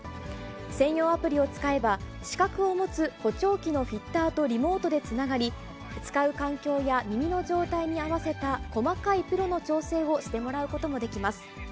専用アプリを使えば、資格を持つ補聴器のフィッターとリモートでつながり、使う環境や耳の状態に合わせた細かいプロの調整をしてもらうこともできます。